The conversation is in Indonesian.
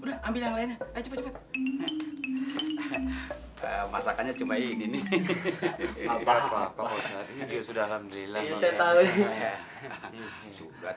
enggak saya yang kekenyangan